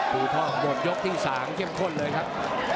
ภูท่องบทยกที่สามเข้มข้นเลยครับ